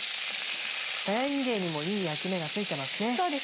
さやいんげんにもいい焼き目がついてますね。